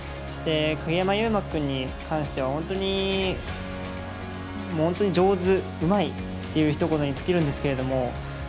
そして鍵山優真君に関しては本当に上手、うまいっていうひと言につきるんですけども。